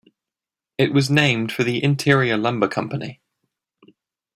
It was named for the Interior Lumber Company.